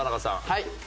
はい。